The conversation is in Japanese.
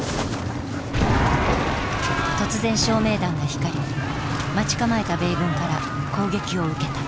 突然照明弾が光り待ち構えた米軍から攻撃を受けた。